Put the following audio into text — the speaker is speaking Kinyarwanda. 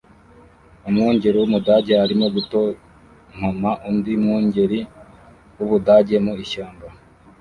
Umwungeri w’umudage arimo gutontoma undi mwungeri w’Ubudage mu ishyamba